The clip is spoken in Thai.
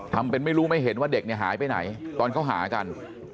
ทำเป็นไม่รู้ไม่เห็นว่าเด็กเนี่ยหายไปไหนตอนเขาหากัน